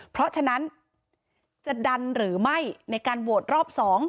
เพราะฉะนั้นจะดันหรือไม่ในการโหวตรอบ๒